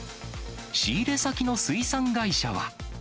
仕入れ先の水産会社は。